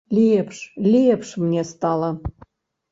Лепш, лепш мне стала!